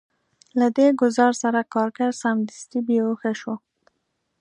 له دې ګزار سره کارګر سمدستي بې هوښه شو